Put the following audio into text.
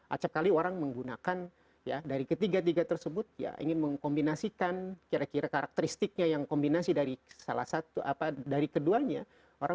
acapkali orang menggunakan dari ketiga tiga tersebut ingin mengkombinasikan kira kira karakteristiknya yang kombinasi dari keduanya